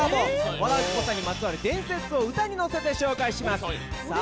和田アキ子さんにまつわる伝説を歌にのせて紹介しますさあ